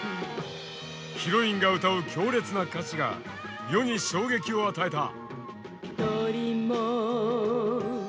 ヒロインが歌う強烈な歌詞が世に衝撃を与えた。